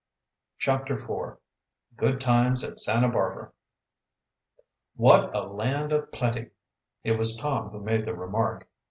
CHAPTER IV GOOD TIMES AT SANTA BARBARA "What a land of plenty!" It was Tom who made the remark.